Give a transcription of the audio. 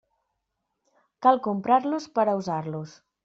Cal comprar-los per a usar-los.